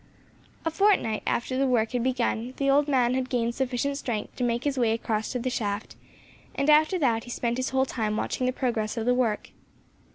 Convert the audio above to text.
A fortnight after the work had begun, the old man had gained sufficient strength to make his way across to the shaft, and after that he spent his whole time watching the progress of the work.